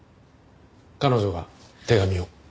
彼女が手紙を。